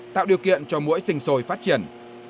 tạo điều kiện cho mũi sinh sồi phát triển